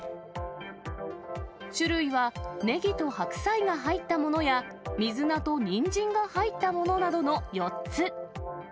種類はネギと白菜が入ったものや、水菜とニンジンが入ったものなどの４つ。